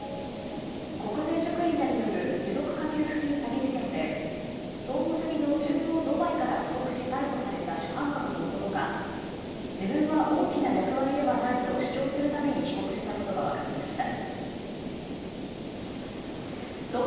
国税職員らによる持続化給付金詐欺事件で、逃亡先の中東ドバイから帰国し逮捕された主犯格の男が、自分は大きな役割ではないと主張するために帰国したことが分かりました。